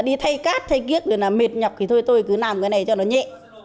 đi thay cát thay kiếp mệt nhọc thì thôi tôi cứ làm cái này cho nó nhẹ